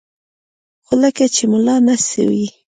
خو لکه چې ملا نه سوې.